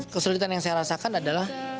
kesulitan yang saya rasakan adalah